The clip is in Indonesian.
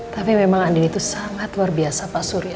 tapi memang andi itu sangat luar biasa pak surya